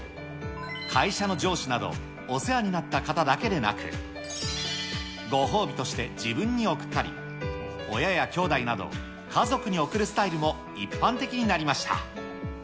会社の上司など、お世話になった方だけでなく、ご褒美として自分に贈ったり、親やきょうだいなど、家族に贈るスタイルも一般的になりました。